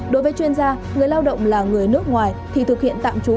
đối với chuyên gia người lao động là người nước ngoài thì thực hiện tạm trú